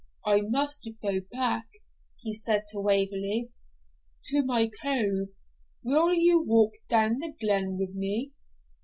'I must go back,' he said to Waverley,'to my cove; will you walk down the glen wi' me?'